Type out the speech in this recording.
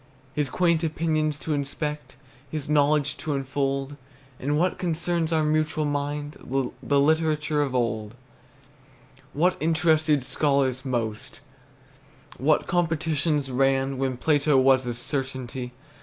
His quaint opinions to inspect, His knowledge to unfold On what concerns our mutual mind, The literature of old; What interested scholars most, What competitions ran When Plato was a certainty.